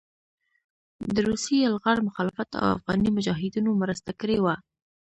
د روسي يلغار مخالفت او افغاني مجاهدينو مرسته کړې وه